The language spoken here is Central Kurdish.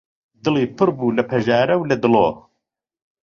دڵی پڕ بوو لە پەژارە و لە دڵۆ